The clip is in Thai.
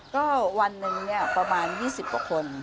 ก็วันหนึ่งเนี่ยประมาณ๒๐กว่าคน